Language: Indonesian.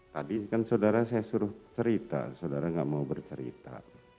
tadi kan saudara saya suruh cerita saudara gak mau bercerita